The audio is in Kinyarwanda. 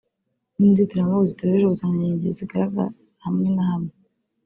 ni inzitiramubu zitujuje ubuziranenge zigaragara hamwe na hamwe